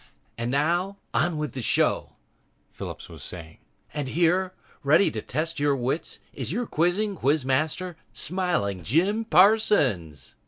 "... And now, on with the show," Phillips was saying. "And here, ready to test your wits, is your quizzing quiz master, Smiling Jim Parsons."